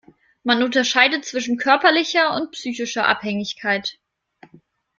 Man unterscheidet zwischen körperlicher und psychischer Abhängigkeit.